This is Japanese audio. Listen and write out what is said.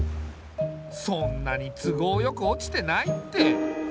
そんなに都合よく落ちてないって。